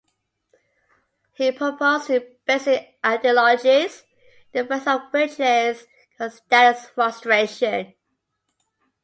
He proposed two basic ideologies, the first of which is called status frustration.